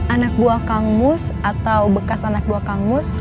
anak buah kang mus atau bekas anak buah kang mus